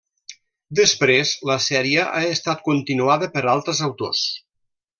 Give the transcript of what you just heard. Després, la sèrie ha estat continuada per altres autors.